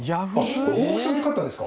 オークションで買ったんですか？